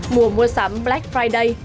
mùa mua sắm black friday